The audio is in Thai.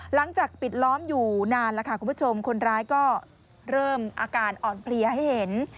หลังจากปิดล้อมอยู่นานแล้วค่ะคุณผู้ชมคนร้ายก็เริ่มอาการอ่อนเพลียให้เห็น